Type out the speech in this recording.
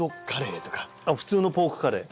普通のポークカレー。